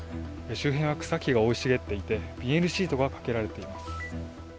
周辺は草木が生い茂っていてビニールシートがかけられています。